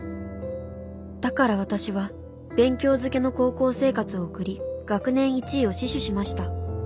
だから私は勉強づけの高校生活を送り学年一位を死守しました。